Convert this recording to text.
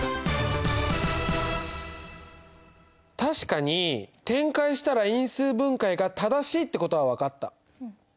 確かに展開したら因数分解が正しいってことは分かった。